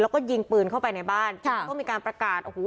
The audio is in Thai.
แล้วก็ยิงปืนเข้าไปในบ้านจนต้องมีการประกาศโอ้โห